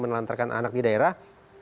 menelantarkan anak di daerah